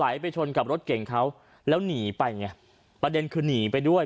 ไปชนกับรถเก่งเขาแล้วหนีไปไงประเด็นคือหนีไปด้วย